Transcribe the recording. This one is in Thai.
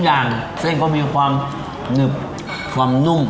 อย่างเส้นก็มีความหนึบความนุ่ม